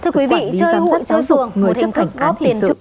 thưa quý vị chơi hụt chơi ruộng hụt hình thức góp tiền chụp